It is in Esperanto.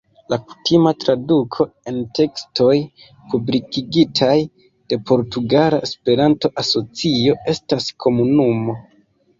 La kutima traduko en tekstoj publikigitaj de Portugala Esperanto-Asocio estas "komunumo".